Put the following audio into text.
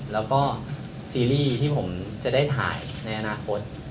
แล้วก็ซีรีส์ที่ผมจะได้ถ่ายในอนาคต